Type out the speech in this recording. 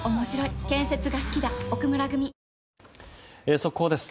速報です。